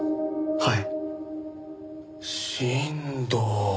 はい！